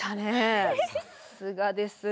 さすがです。